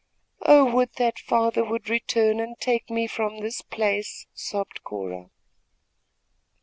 "Oh, would that father would return and take me from this place!" sobbed Cora.